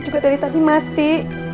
juga dari tadi mati